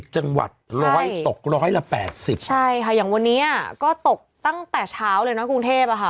๖๑จังหวัดตกร้อยละ๘๐บาทใช่ค่ะอย่างวันนี้ก็ตกตั้งแต่เช้าเลยนะกรุงเทพฯค่ะ